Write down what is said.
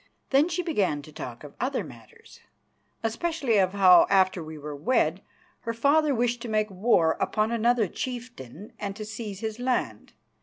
Then she began to talk of other matters, especially of how, after we were wed, her father wished to make war upon another chieftain and to seize his land.